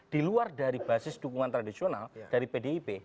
diluar dari basis dukungan tradisional dari pdip